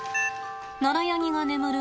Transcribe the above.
ナラヤニが眠る